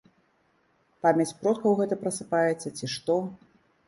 Памяць продкаў гэта прасыпаецца, ці што.